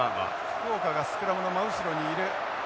福岡がスクラムの真後ろにいる。